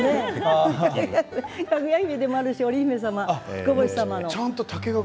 かぐや姫でもあるし織り姫様、ひこ星様。